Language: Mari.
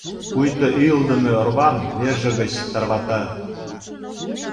Пуйто ӱйлыдымӧ орвам верже гыч тарвата.